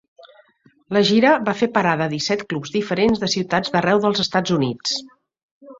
La gira va fer parada a disset clubs diferents de ciutats d'arreu dels Estats Units.